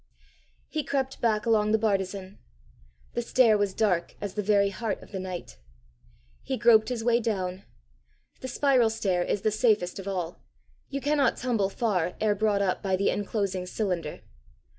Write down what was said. He crept back along the bartizan. The stair was dark as the very heart of the night. He groped his way down. The spiral stair is the safest of all: you cannot tumble far ere brought up by the inclosing cylinder.